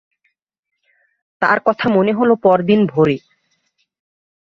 তার কথা মনে হল পরদিন ভোরে।